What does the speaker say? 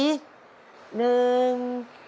หนึ่ง